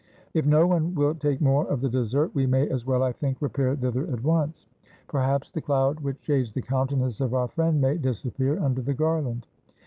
If no one will take more of the dessert, we may as well, I think, repair thither at once. Perhaps the cloud which shades the countenance of our friend may disappear under the garland.